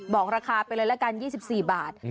บอกราคาไปเลยละกัน๒๔บาท